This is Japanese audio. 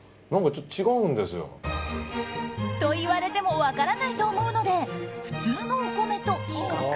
何かちょっと違うんですよ。と言われても分からないと思うので普通のお米と比較。